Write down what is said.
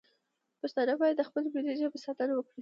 پښتانه باید د خپلې ملي ژبې ساتنه وکړي